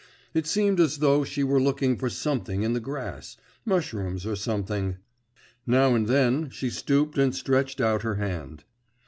It seemed as though she were looking for something in the grass mushrooms or something; now and then, she stooped and stretched out her hand.